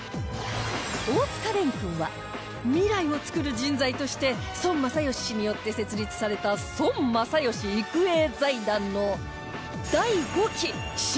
大塚蓮君は未来を創る人材として孫正義氏によって設立された孫正義育英財団の